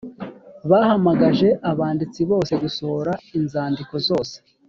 bahamagaje abanditsi bose gusohora inzandiko zose